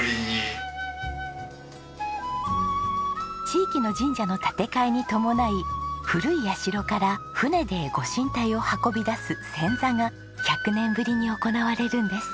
地域の神社の建て替えに伴い古い社から船でご神体を運び出す遷座が１００年ぶりに行われるんです。